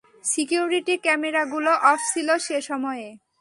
Security ক্যামেরাগুলো off ছিল সেসময়ে।